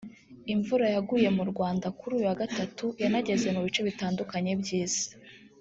Imvura yaguye mu Rwanda kuri uyu wa Gatatu yanageze mu bice bitandukanye by’Isi